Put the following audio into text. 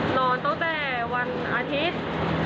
นอนตั้งแต่วันอาทิตย์